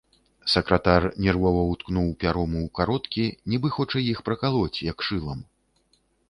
Сакратар нервова ўткнуў пяром у кароткі, нібы хоча іх пракалоць, як шылам.